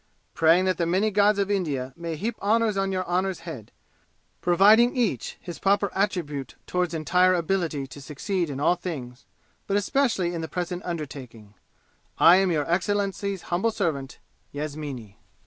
Praying that the many gods of India may heap honors on your honor's head, providing each his proper attribute toward entire ability to succeed in all things, but especially in the present undertaking, "I am Your Excellency's humble servant, Yasmini."